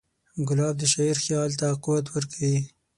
ګلاب د شاعر خیال ته قوت ورکوي.